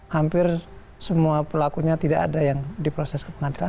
hampir semua pelakunya tidak ada yang diproses ke pengadilan